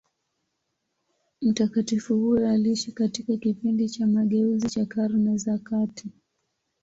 Mtakatifu huyo aliishi katika kipindi cha mageuzi cha Karne za kati.